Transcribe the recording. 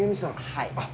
はい。